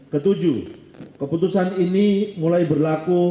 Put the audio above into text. ketujuh keputusan ini mulai berlaku